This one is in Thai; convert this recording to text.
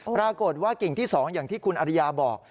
ปรากฏว่ากิ่งที่๒อย่างที่คุณอริยาบอก